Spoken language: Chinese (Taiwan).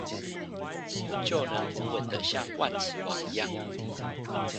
就能穩穩的像萬磁王一樣